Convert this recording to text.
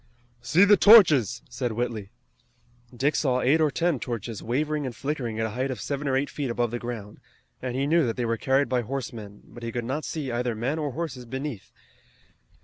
"See the torches!" said Whitley. Dick saw eight or ten torches wavering and flickering at a height of seven or eight feet above the ground, and he knew that they were carried by horsemen, but he could not see either men or horses beneath.